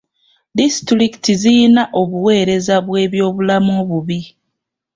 Disitulikiti ziyina obuweereza bw'ebyobulamu obubi.